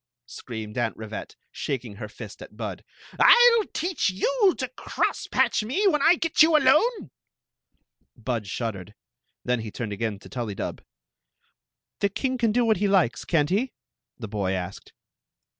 screamed Aunt Rivette, shaking her fist at Bud " I '11 teach you to cross patch mc when I get you alone !" Bud shuddered Then he turned again to TuUy dub. "The king can do what he likes, can't he?" the boy asked.